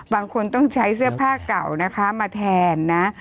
บางคนต้องใช้เสื้อผ้าเก่านะคะมาแทนนะ